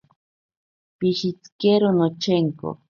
Pishitsikero nochenko.